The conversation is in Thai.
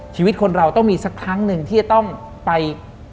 ชีวิตคนเราต้องมีสักครั้งหนึ่งที่จะต้องไป